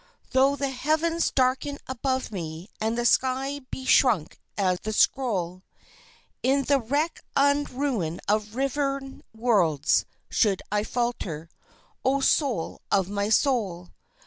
Tho' the heavens darken above me and the sky be shrunk as a scroll, In the wreck and ruin of riven worlds, should I falter, O Soul of my soul?